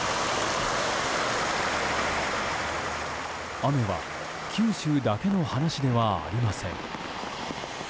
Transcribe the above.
雨は九州だけの話ではありません。